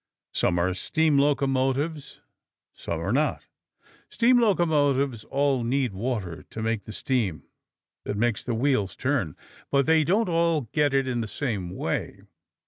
Some are steam locomotives, some are not. Steam locomotives all need water to make the steam that makes the wheels turn. But they don't all get it in the same way.